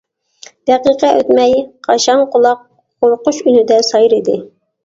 دەقىقە ئۆتمەي قاشاڭ قۇلاق قورقۇش ئۈنىدە سايرىدى.